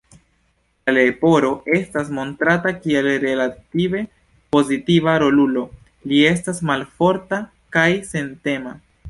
La Leporo estas montrata kiel relative pozitiva rolulo, li estas malforta kaj sentema.